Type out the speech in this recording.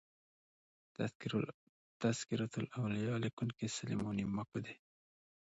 " تذکرة الاولیا" لیکونکی سلیمان ماکو دﺉ.